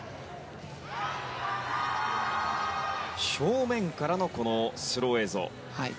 正面からのスロー映像。